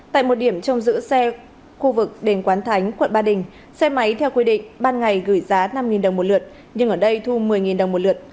tại một điểm trong giữ xe khu vực đền quán thánh quận ba đình xe máy theo quy định ban ngày gửi giá năm đồng một lượt nhưng ở đây thu một mươi đồng một lượt